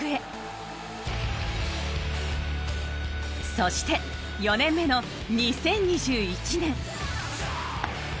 そして４年目の２０２１年。